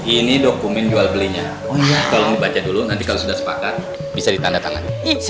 ini dokumen jual belinya baca dulu nanti kalau sudah sepakat bisa ditanda tangan